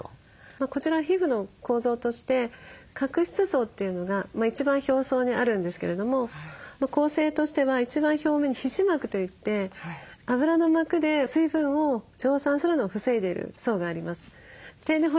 こちら皮膚の構造として角質層というのが一番表層にあるんですけれども構成としては一番表面に皮脂膜といって脂の膜で水分を蒸散するのを防いでいる層があります。